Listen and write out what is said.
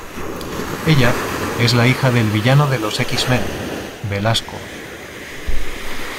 Ella es la hija del villano de los X-Men, Belasco.